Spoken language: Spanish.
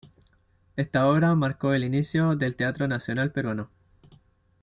Esta obra marcó el inicio del teatro nacional peruano.